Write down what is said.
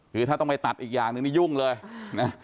คือถ้าต้องไปตัดอีกอย่างหนึ่งนี่ยุ่งเลยนะ